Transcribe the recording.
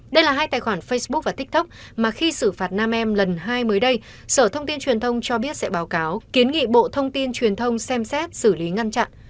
đây là hai tài khoản facebook và tiktok mà khi xử phạt nam em lần hai mới đây sở thông tin truyền thông cho biết sẽ báo cáo kiến nghị bộ thông tin truyền thông xem xét xử lý ngăn chặn